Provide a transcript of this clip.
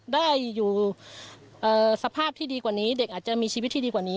ได้อยู่สภาพที่ดีกว่านี้เด็กอาจจะมีชีวิตที่ดีกว่านี้